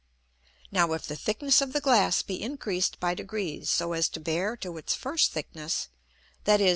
Now if the thickness of the Glass be increased by degrees, so as to bear to its first thickness, (_viz.